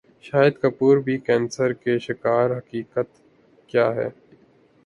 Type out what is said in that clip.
شاہد کپور بھی کینسر کے شکار حقیقت کیا ہے